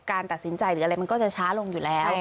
การตัดสินใจหรืออะไรมันก็จะช้าลงอยู่แล้ว